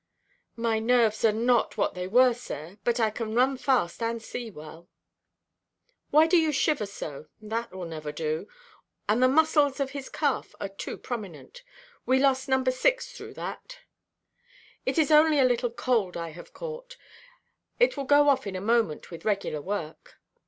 "My nerves are not what they were, sir; but I can run fast and see well." "Why do you shiver so? That will never do. And the muscles of his calf are too prominent. We lost No. 6 through that." "It is only a little cold I have caught. It will go off in a moment with regular work."